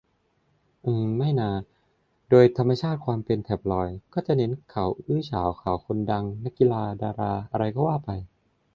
อืม ไม่นา โดยธรรมชาติความเป็นแท็บลอยด์ ก็จะเน้นขายข่าวอื้อฉาว ข่าวคนดัง นักกีฬา ดารา อะไรก็ว่าไป